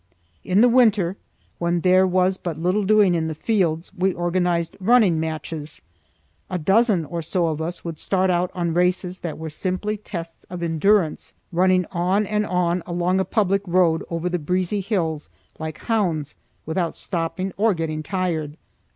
In the winter, when there was but little doing in the fields, we organized running matches. A dozen or so of us would start out on races that were simply tests of endurance, running on and on along a public road over the breezy hills like hounds, without stopping or getting tired.